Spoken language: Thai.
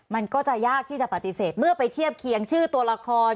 มันก็จะยากที่จะปฏิเสธเมื่อไปเทียบเคียงชื่อตัวละคร